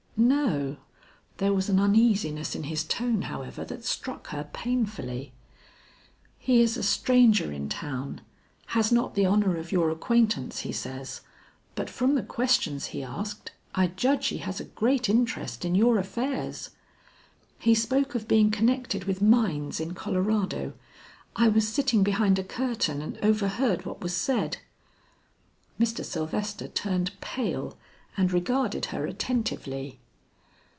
"No." There was an uneasiness in his tone however that struck her painfully. "He is a stranger in town; has not the honor of your acquaintance he says, but from the questions he asked, I judge he has a great interest in your affairs. He spoke of being connected with mines in Colorado. I was sitting behind a curtain and overheard what was said." Mr. Sylvester turned pale and regarded her attentively.